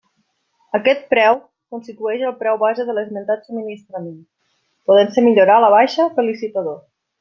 Aquest preu constitueix el preu base de l'esmentat subministrament, podent-se millorar a la baixa pel licitador.